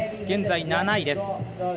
現在７位です。